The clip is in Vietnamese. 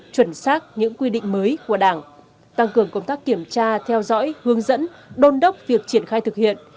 chuẩn xác những quy định mới của đảng tăng cường công tác kiểm tra theo dõi hướng dẫn đôn đốc việc triển khai thực hiện